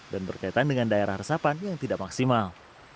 berkaitan dengan daerah resapan yang tidak maksimal